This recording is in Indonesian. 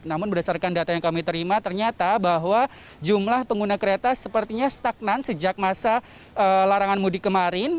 namun berdasarkan data yang kami terima ternyata bahwa jumlah pengguna kereta sepertinya stagnan sejak masa larangan mudik kemarin